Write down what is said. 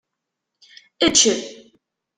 Ečč.